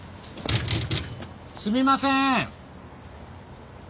すみません。